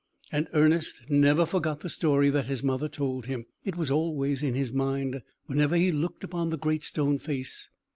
And Ernest never forgot the story that his mother told him. It was always in his mind, whenever he looked upon the Great Stone Face.